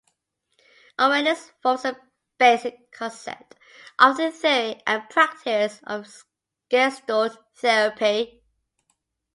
Awareness forms a basic concept of the theory and practice of Gestalt therapy.